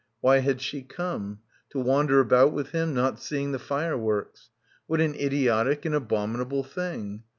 Why had she come; to wander about with him, not seeing the fireworks. What an idiotic and abominable thing.